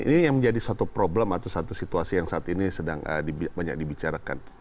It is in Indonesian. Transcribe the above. ini yang menjadi satu problem atau satu situasi yang saat ini sedang banyak dibicarakan